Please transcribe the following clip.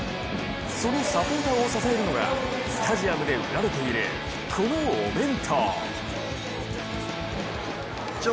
そのサポーターを支えるのがスタジアムで売られているこのお弁当。